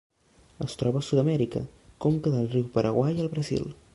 Es troba a Sud-amèrica: conca del riu Paraguai al Brasil.